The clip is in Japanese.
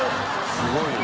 すごいよ。